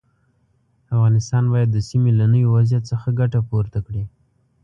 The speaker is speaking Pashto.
افغانستان باید د سیمې له نوي وضعیت څخه ګټه پورته کړي.